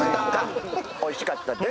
おいしかったです